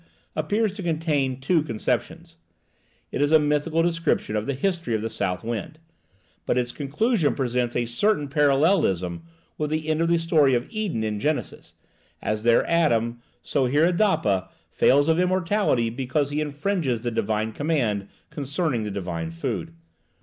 appears to contain two conceptions: it is a mythical description of the history of the south wind, but its conclusion presents a certain parallelism with the end of the story of Eden in Genesis; as there Adam, so here Adapa, fails of immortality because he infringes the divine command concerning the divine food.